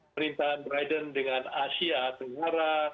perintahan biden dengan asia tenggara